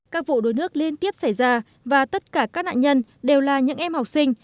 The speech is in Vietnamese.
các vụ đuối nước liên tiếp xảy ra và tất cả các nạn nhân đều là những em học sinh